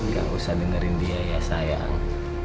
gak usah dengerin dia ya sayang